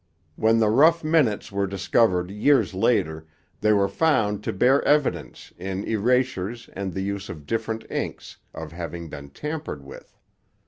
When the rough minutes were discovered years later, they were found to bear evidence, in erasures and the use of different inks, of having been tampered with.